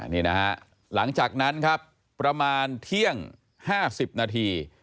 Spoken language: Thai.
นี่นะฮะหลังจากนั้นครับประมาณเที่ยง๕๐นาที